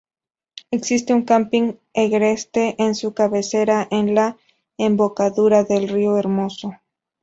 Existe un camping agreste en su cabecera, en la embocadura del río Hermoso.